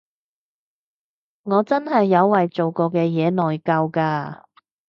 我真係有為做過嘅嘢內疚㗎